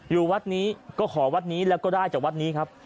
อยู่วัดนี้ก็ขอวัดนี้แล้วก็ได้จากวัดนี้ครับ